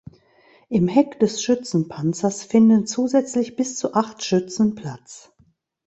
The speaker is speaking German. Im Heck des Schützenpanzers finden zusätzlich bis zu acht Schützen Platz.